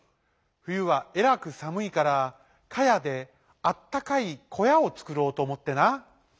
ふゆはえらくさむいからかやであったかいこやをつくろうとおもってな」。